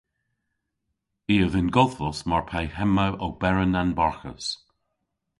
I a vynn godhvos mar pe hemma oberen anbarghus.